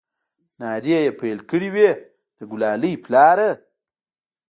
نارې يې پيل كړې وه د ګلالي پلاره!